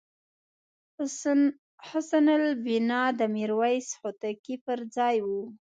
حسن البناء د میرویس هوتکي پرځای وو.